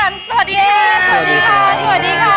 มาแล้วเชฟคือเชฟกันสวัสดีค่ะ